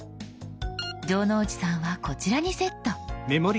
城之内さんはこちらにセット。